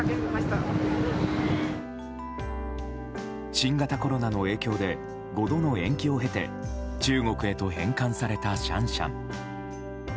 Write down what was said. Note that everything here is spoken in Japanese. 新型コロナの影響で５度の延期を経て中国へと返還されたシャンシャン。